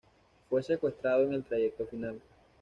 Fue secuestrado en el trayecto final.